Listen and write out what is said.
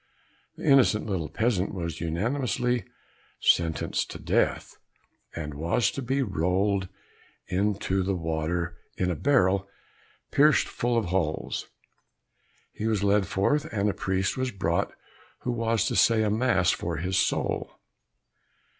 The innocent little peasant was unanimously sentenced to death, and was to be rolled into the water, in a barrel pierced full of holes. He was led forth, and a priest was brought who was to say a mass for his soul.